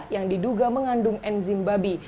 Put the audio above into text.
yang diduga mengandung enzim babi